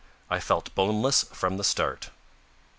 I felt boneless from the start.